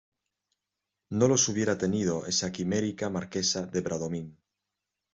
no los hubiera tenido esa quimérica Marquesa de Bradomín.